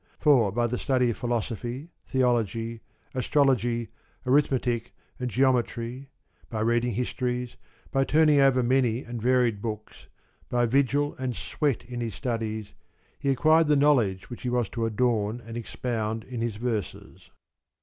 For by study of philosophy, theology, astrology, arithmetic, and geometry, by reading histories, by turning over many and varied books, by vigil and sweat in his studies, he acquired the knowledge which he was to adorn and expound in his verses.